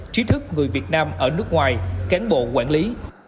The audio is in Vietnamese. trí thức người việt nam ở nước ngoài cán bộ quản lý